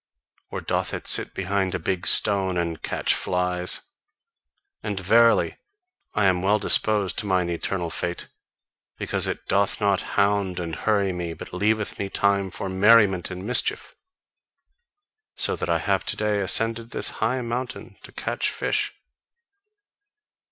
Or doth it sit behind a big stone and catch flies? And verily, I am well disposed to mine eternal fate, because it doth not hound and hurry me, but leaveth me time for merriment and mischief; so that I have to day ascended this high mountain to catch fish.